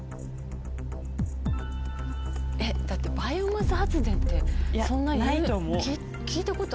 えだってバイオマス発電ってそんな聞いたこと。